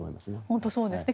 本当にそうですね。